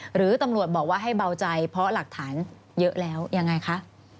หรือตำรวจบอกว่าให้เบาใจเพราะหลักฐานเยอะแล้วยังไงคะ